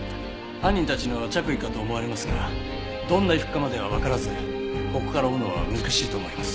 犯人たちの着衣かと思われますがどんな衣服かまではわからずここから追うのは難しいと思います。